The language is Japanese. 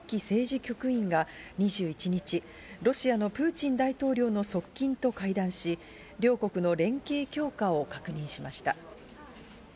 局員が２１日、ロシアのプーチン大統領の側近と会談し、両国の連携強化を確認しました。